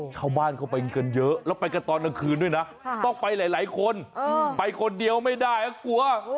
ชาวบ้านเข้าไปกันเยอะแล้วไปกันตอนกลางคืนด้วยนะต้องไปหลายคนไปคนเดียวไม่ได้กลัว